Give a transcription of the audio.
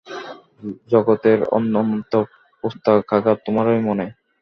জগতের অনন্ত পুস্তকাগার তোমারই মনে।